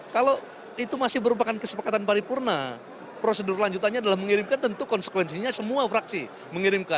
kalau itu masih merupakan kesepakatan paripurna prosedur lanjutannya adalah mengirimkan tentu konsekuensinya semua fraksi mengirimkan